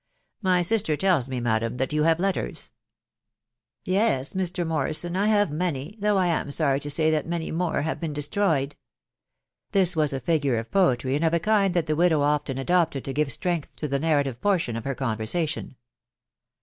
My sister tells me, madam, that you have letters. ...."« Yes, Mr. Morrison, I have many .... though I am sorry to say that many more have been destroyed." (This waa a 14 I 344 THE WIDOW BARNABT* figure of poetry, and of a kind that the widow often adopted to give strength to the narrative portion of her conversation.)